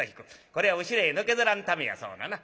これは後ろへのけぞらんためやそうなな。